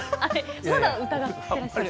まだ疑っていらっしゃる？